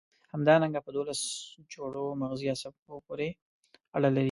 همدارنګه په دوولس جوړو مغزي عصبو پورې اړه لري.